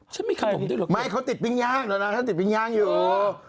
ทำไมเขาติดกิ๊งยางอยู่